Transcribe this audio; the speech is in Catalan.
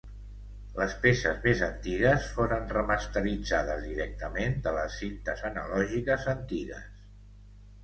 Les peces més antigues foren remasteritzades directament de les cintes analògiques antigues.